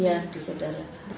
iya di saudara